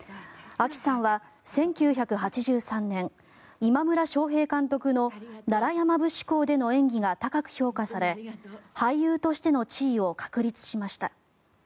あきさんは１９８３年今村昌平監督の「楢山節考」での演技が高く評価され俳優としての地位を確立しました。